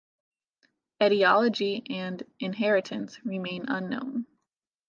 Etiology and inheritance remain unknown.